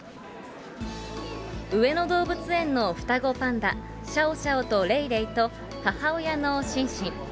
上野動物園の双子パンダ、シャオシャオとレイレイと、母親のシンシン。